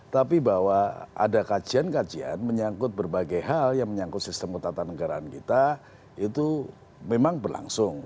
tapi bahwa ada kajian kajian menyangkut berbagai hal yang menyangkut sistem ketatanegaraan kita itu memang berlangsung